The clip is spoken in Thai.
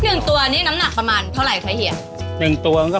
หนึ่งตัวนี่น้ำหนักประมาณเท่าไหร่คะเฮียหนึ่งตัวมันก็